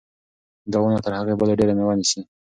دا ونه تر هغې بلې ډېره مېوه نیسي.